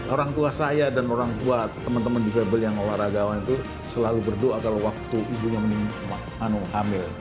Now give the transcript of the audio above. orang tua saya dan orang tua teman teman disabilitas yang olahragawan itu selalu berdoa kalau waktu ibunya hamil